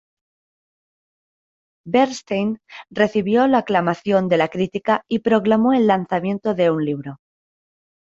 Bernstein recibió la aclamación de la crítica y programó el lanzamiento de un libro.